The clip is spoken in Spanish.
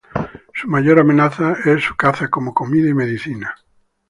Su mayor amenaza es su caza como comida y medicina.